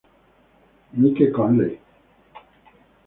Mike Conley, Jr.